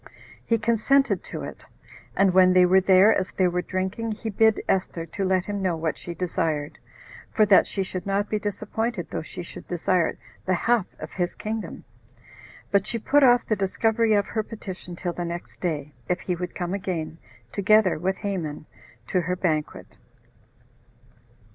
He consented to it; and when they were there, as they were drinking, he bid Esther to let him know what she desired; for that she should not be disappointed though she should desire the half of his kingdom. But she put off the discovery of her petition till the next day, if he would come again, together with Haman, to her banquet.